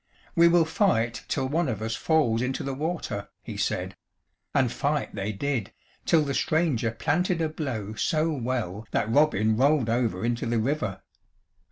"We will fight till one of us falls into the water," he said; and fight they did, till the stranger planted a blow so well that Robin rolled over into the river.